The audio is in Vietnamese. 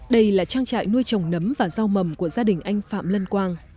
đây là trang trại nuôi trồng nấm và rau mầm của gia đình anh phạm lân quang